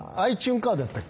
カードやったっけ？